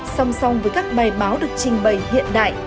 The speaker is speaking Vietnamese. song song với các bài báo được trình bày hiện đại